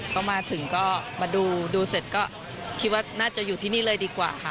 ก็มาถึงก็มาดูเสร็จก็คิดว่าน่าจะอยู่ที่นี่เลยดีกว่าค่ะ